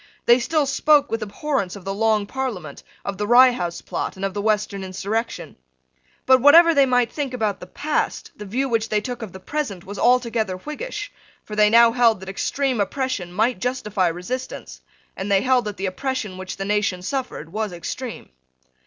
They still spoke with abhorrence of the Long Parliament, of the Rye House Plot, and of the Western insurrection. But, whatever they might think about the past, the view which they took of the present was altogether Whiggish: for they now held that extreme oppression might justify resistance, and they held that the oppression which the nation suffered was extreme.